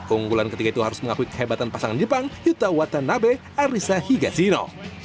unggulan ketiga itu harus mengakui kehebatan pasangan jepang yuta watanabe arisa higashino